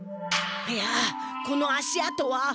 いやこの足あとは。